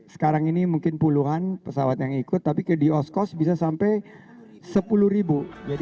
sekarang ini mungkin puluhan pesawat yang ikut tapi di os cost bisa sampai sepuluh ribu